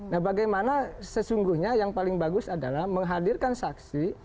nah bagaimana sesungguhnya yang paling bagus adalah menghadirkan saksi